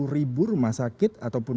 delapan puluh ribu rumah sakit ataupun